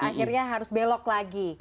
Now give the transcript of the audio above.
akhirnya harus belok lagi